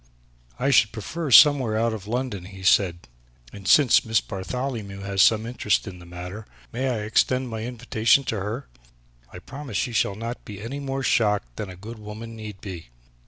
"I should prefer somewhere out of London," he said, "and since Miss Bartholomew has some interest in the matter, may I extend my invitation to her? I promise she shall not be any more shocked than a good woman need be."